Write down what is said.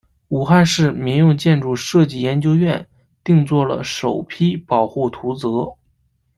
武汉市民用建筑设计研究院定做了首批保护图则。